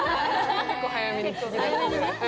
結構早めに。